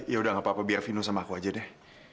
ya udah gak apa apa biar finus sama aku aja deh